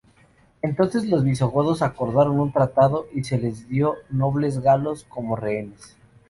Entonces los visigodos acordaron un tratado y se les dio nobles galos como rehenes.